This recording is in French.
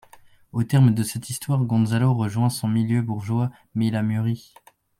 Au terme de cette histoire, Gonzalo rejoint son milieu bourgeois mais il a mûri.